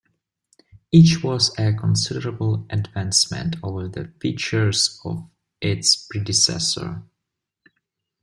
Each was a considerable advancement over the features of its predecessor.